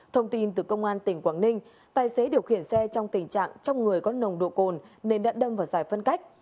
thông tin từ công an tỉnh quảng ninh tài xế điều khiển xe trong tình trạng trong người có nồng độ cồn nên đã đâm vào giải phân cách